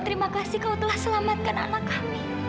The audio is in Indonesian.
terima kasih telah selamatkan anak kami